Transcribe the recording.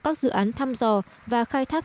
và các dự án thăm dò và khai thác